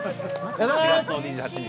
４月２８日